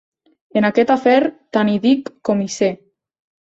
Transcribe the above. En aquest afer, tant hi dic com hi sé.